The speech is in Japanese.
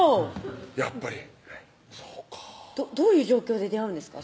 やっぱりそうかどういう状況で出会うんですか？